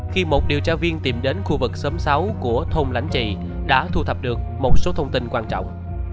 khi một điều tra viên tìm đến khu vực xóm sáu của thôn lãnh trị đã thu thập được một số thông tin quan trọng